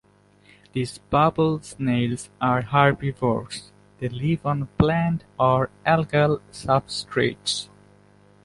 These bubble snails are herbivores; they live on plant or algal substrates.